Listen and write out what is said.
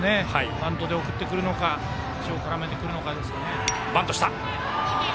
バントで送ってくるのか足を絡めてくるか。